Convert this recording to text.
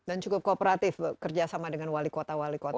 dan cukup kooperatif kerjasama dengan wali kota wali kota